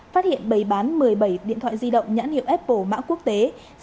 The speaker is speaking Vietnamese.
phát hiện bày bán một mươi bảy điện thoại di động nhãn hiệu apple mã quốc tế